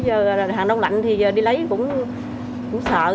giờ hàng đông lạnh thì đi lấy cũng sợ